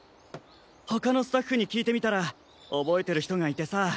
他のスタッフに聞いてみたら覚えてる人がいてさぁ。